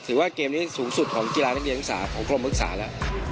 ถือว่าเกมนี้สูงสุดของกีฬานักเรียนศักดิ์ศาสตร์ของกรมศักดิ์ศาสตร์แล้ว